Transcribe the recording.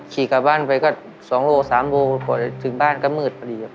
ขี่กลับบ้านไปก็สองโลสามโลถึงบ้านก็มืดพอดี